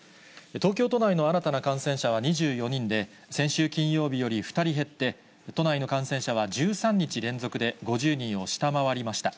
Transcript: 東京都内の新たな感染者は２４人で、先週金曜日より２人減って、都内の感染者は１３日連続で５０人を下回りました。